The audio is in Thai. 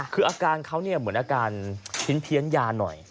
คืออาการเขาเหมือนอาการเพี้ยนยาหน่อย